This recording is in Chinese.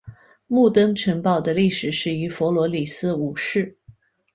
木登城堡的历史始于弗罗里斯五世。